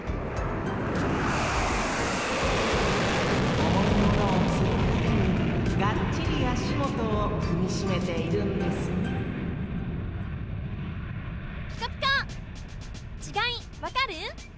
おもいものをつるためにがっちりあしもとをふみしめているんですねピコピコ！